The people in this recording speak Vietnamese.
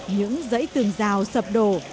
những giấy tường rào sập đổ